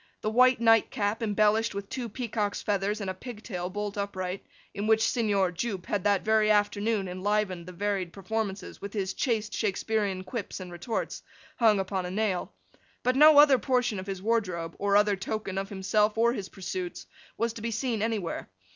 The white night cap, embellished with two peacock's feathers and a pigtail bolt upright, in which Signor Jupe had that very afternoon enlivened the varied performances with his chaste Shaksperean quips and retorts, hung upon a nail; but no other portion of his wardrobe, or other token of himself or his pursuits, was to be seen anywhere.